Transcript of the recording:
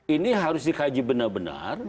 ini harus dikaji benar benar